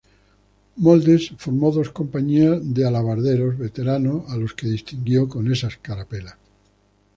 Moldes formó dos compañías de alabarderos veteranos a los que distinguió con esa escarapela.